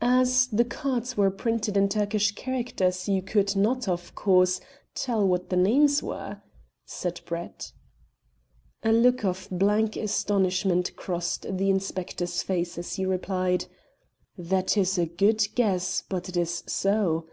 "As the cards were printed in Turkish characters you could not, of course, tell what the names were," said Brett. A look of blank astonishment crossed the inspector's face as he replied: "That is a good guess, but it is so.